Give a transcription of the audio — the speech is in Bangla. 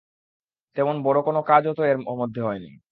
তেমন বড়ো কোনো কাজও তো এর মধ্যে হয় নি।